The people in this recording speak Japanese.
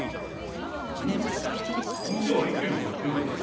店は１けんしか行ってないけど？